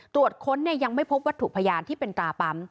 ตรวจค้นยังไม่พบวัตถุพยานที่เป็นตราปั๊ม